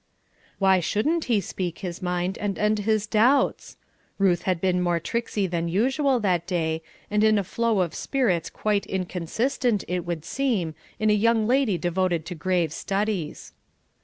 Why shouldn't he speak his mind, and end his doubts? Ruth had been more tricksy than usual that day, and in a flow of spirits quite inconsistent, it would seem, in a young lady devoted to grave studies.